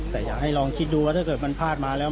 แต่อยากให้ลองคิดดูว่าถ้าเกิดมันพลาดมาแล้ว